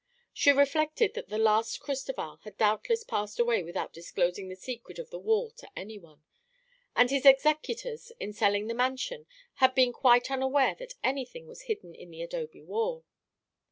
She reflected that the last Cristoval had doubtless passed away without disclosing the secret of the wall to anyone, and his executors, in selling the mansion, had been quite unaware that anything was hidden in the adobe wall.